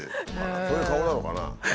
そういう顔なのかな？